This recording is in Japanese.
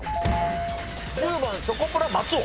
１０番チョコプラ松尾。